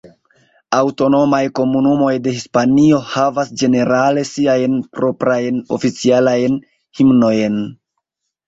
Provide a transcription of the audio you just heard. Aŭtonomaj komunumoj de Hispanio havas ĝenerale siajn proprajn oficialajn himnojn.